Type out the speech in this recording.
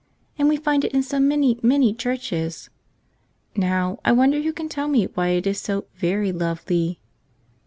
And we find it in so many, many churches. Now, I wonder who can tell me why it is so very lovely?